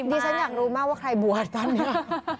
ดิฉันอยากรู้มากว่าใครบวชก้อนนี้